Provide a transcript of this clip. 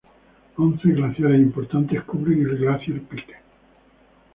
Once glaciares importantes cubren el Glacier Peak.